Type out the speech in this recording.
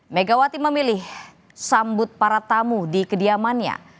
megawati memilih sambut para tamu di kediamannya